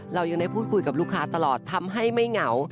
เรายังได้พูดคุยกับลูกค้าตลอดทำให้ไม่เหงา